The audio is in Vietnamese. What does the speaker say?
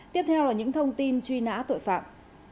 tiếp theo là những thông tin truy nã tội phạm